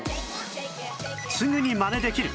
すぐにマネできる！